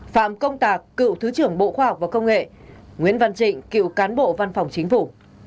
phạm công tạc cựu thứ trưởng bộ khoa học và công nghệ nguyễn văn trịnh cựu cán bộ văn phòng chính phủ